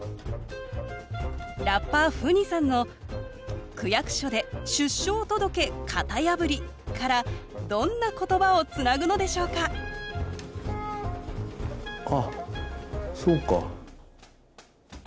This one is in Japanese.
ラッパーＦＵＮＩさんの「区役所で出生届型破り」からどんな言葉をつなぐのでしょうかあっそうか。